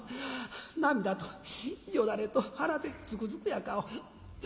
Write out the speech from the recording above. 「涙とよだれとはなでつくづくな顔」。